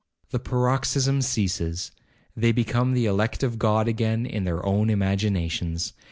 The paroxysm ceases—they become the elect of God again in their own imaginations.